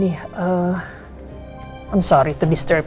saya berasa discontteril oleh autorasi